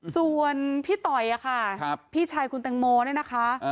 ส่วนพี่ต่อยค่ะพี่ชายคุณแตงโมเนี่ยนะคะ